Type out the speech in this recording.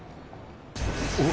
お！